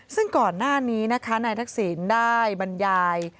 ซึ่งก่อนหน้านี้นะคะนายทักษิณได้บรรยาย